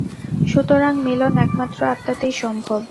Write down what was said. সুতরাং মিলন একমাত্র আত্মাতেই সম্ভব।